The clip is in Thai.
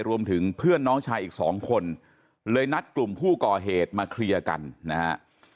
รวมถึงเพื่อนน้องชายอีกสองคนเลยนัดกลุ่มผู้ก่อเหตุมาเคลียร์กันนะฮะ